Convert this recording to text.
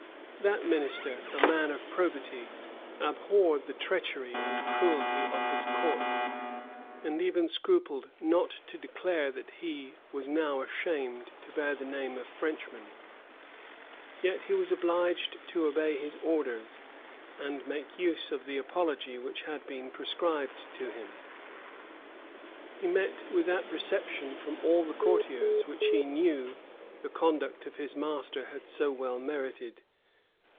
That minister, a man of probity, abhorred the treachery and cruelty of his court, and even scrupled not to declare that he was now ashamed to bear the name of Frenchman;[] yet he was obliged to obey his orders, and make use of the apology which had been prescribed to him. He met with that reception from all the courtiers which he knew the conduct of his master had so well merited.